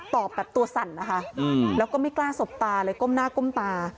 ตอบแบบตัวสั่นนะคะแล้วก็ไม่กล้าสบตาเลยก้มหน้าก้มตา